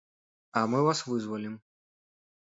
А мы вас вызвалім.